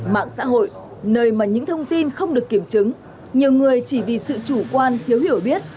mạng xã hội nơi mà những thông tin không được kiểm chứng nhiều người chỉ vì sự chủ quan thiếu hiểu biết